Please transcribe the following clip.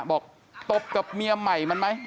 บอกตบกับเมียใหม่มันไหม